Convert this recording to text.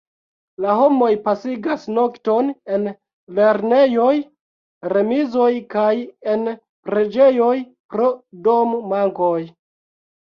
La homoj pasigas nokton en lernejoj, remizoj kaj en preĝejoj pro dom-mankoj.